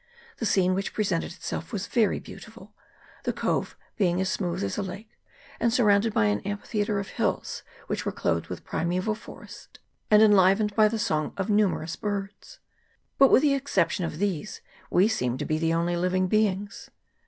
The scene which presented itself was very beautiful ; the cove being as smooth as a lake, and surrounded by an amphitheatre of hills, which were clothed with primeval forest, and enlivened by the song of numer ous birds. But, with the exception of these, we seemed to be the only living beings.